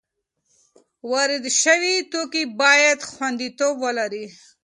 وارد شوي توکي باید خوندیتوب ولري.